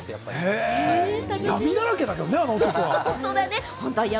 闇だらけだけれどもね、あの男は。